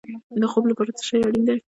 د خوب لپاره څه شی اړین دی؟